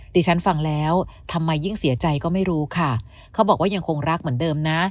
ที่ฉันฟังแล้วทำไมยิ่งเสียใจก็ไม่รู้ค่ะเขาบอกว่ายังคงรักเหมือนเดิมนะ